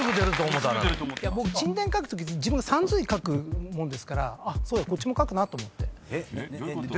僕「ちんでん」書くときさんずい書くもんですからこっちも書くなと思って。